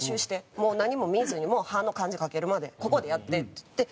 「もう何も見ずに“覇”の漢字書けるまでここでやって」っつって。